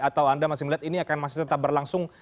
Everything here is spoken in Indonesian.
atau anda masih melihat ini akan masih tetap berlangsung